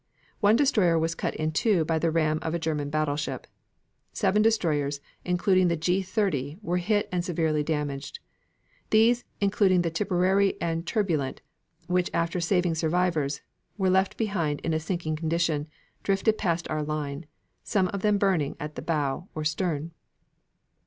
One destroyer was cut in two by the ram of a German battleship. Seven destroyers, including the G 30, were hit and severely damaged. These, including the Tipperary and Turbulent, which after saving survivors, were left behind in a sinking condition, drifted past our line, some of them burning at the bow or stern.